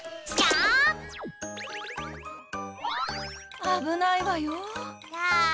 あぶないわよ。だ。